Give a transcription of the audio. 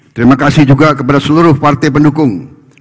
terima kasih juga kepada seluruh partai pendukung